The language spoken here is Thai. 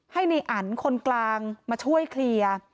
ให้ในอันคนกลางมาช่วยเคลียร์